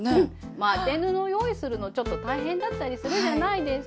まぁ当て布用意するのちょっと大変だったりするじゃないですか。